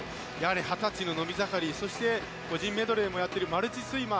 二十歳の伸び盛りそして個人メドレーもやっているマルチスイマー。